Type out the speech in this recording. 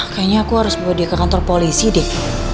kayaknya aku harus bawa dia ke kantor polisi deh